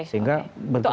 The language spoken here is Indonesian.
sehingga bergerak cepat